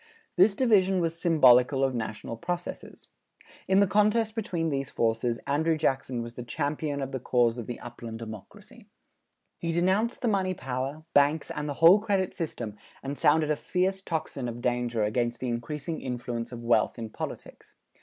This division was symbolical of national processes. In the contest between these forces, Andrew Jackson was the champion of the cause of the upland democracy. He denounced the money power, banks and the whole credit system and sounded a fierce tocsin of danger against the increasing influence of wealth in politics.